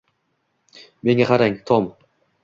Menga qarang, Tom